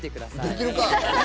できるか！